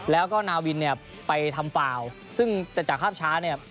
แล้วก็นาวินไปทำซึ่งจากภาพช้านี้